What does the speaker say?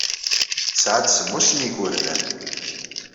Tesɛa-d semmus n yigerdan.